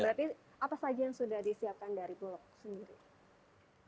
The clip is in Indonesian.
terima kasih pak